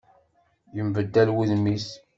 Yenbeddal wudem-is.